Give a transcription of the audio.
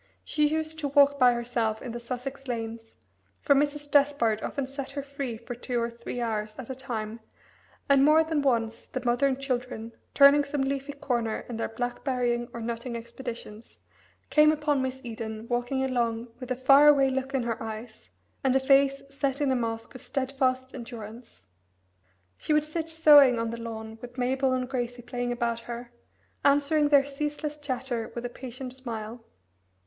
She used to walk by herself in the Sussex lanes, for Mrs. Despard often set her free for two or three hours at a time, and more than once the mother and children, turning some leafy corner in their blackberrying or nutting expeditions, came upon Miss Eden walking along with a far away look in her eyes, and a face set in a mask of steadfast endurance. She would sit sewing on the lawn with Mabel and Gracie playing about her, answering their ceaseless chatter with a patient smile.